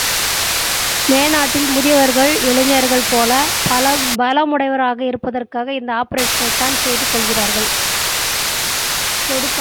மேனாட்டில் முதியவர்கள் இளைஞர்கள் போல பல முடையவராக இருப்பதற்காக இந்த ஆப்பரேஷனைத் தான் செய்து கொள்கிறார்கள்.